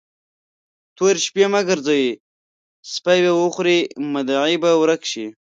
تورې شپې مه ګرځئ؛ سپي به وخوري، مدعي به ورک شي.